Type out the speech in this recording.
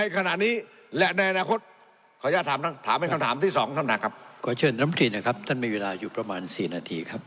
ขอเชิญน้ำพิธีนะครับท่านมีเวลาอยู่ประมาณสี่นาทีครับ